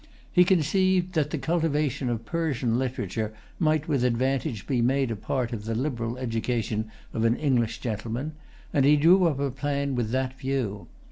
He conceived that the[Pg 124] cultivation of Persian literature might with advantage be made a part of the liberal education of an English gentleman; and he drew up a plan with that view.